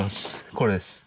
これです。